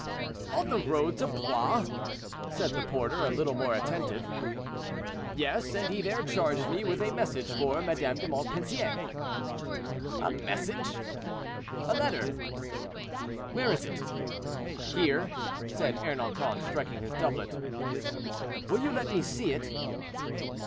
"On the road to Blois?" said the porter, a little more attentive. "Yes, and he there charged me with a message for Madame de Montpensier." "A message?" "A letter."—"Where is it?" "Here," said Ernanton, striking his doublet. "Will you let me see it?"